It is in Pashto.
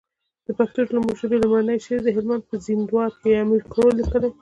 د پښتو ژبي لومړنی شعر د هلمند په زينداور کي امير کروړ ليکلی